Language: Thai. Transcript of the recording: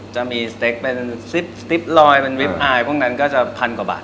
จะมีสเต็กเป็นซิปลอยเป็นวิปอายพวกนั้นก็จะพันกว่าบาท